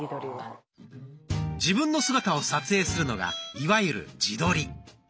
自分の姿を撮影するのがいわゆる「自撮り」。